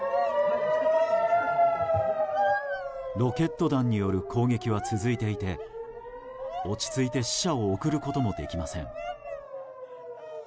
ロケット弾による攻撃は続いていて落ち着いて死者を送ることもできません。